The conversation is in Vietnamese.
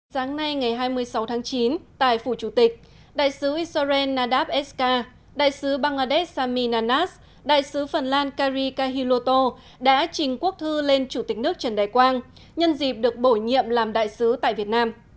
sáng nay ngày hai mươi sáu tháng chín tại phủ chủ tịch đại sứ israel nadav eskar đại sứ bangladesh sami nanas đại sứ phần lan kari kahiloto đã trình quốc thư lên chủ tịch nước trần đại quang nhân dịp được bổ nhiệm làm đại sứ tại việt nam